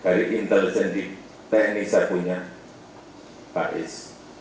dari intelijen di tni saya punya ais